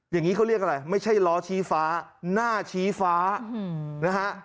อย่างนี้เขาเรียกอะไรไม่ใช่ล้อชี้ฟ้าหน้าชี้ฟ้านะฮะ